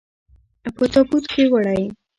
په تابوت کې وړئ.